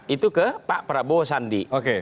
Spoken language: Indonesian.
itu ke pak prabowo sandi